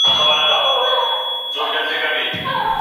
په کور کي د زده کړي لپاره ډېر کسان نه غوښتل کېږي.